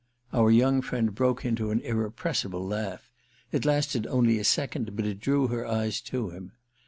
our young friend broke into an irrepressible laugh; it lasted only a second, but it drew her eyes to him.